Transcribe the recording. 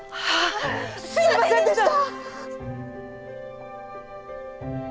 すいませんでした！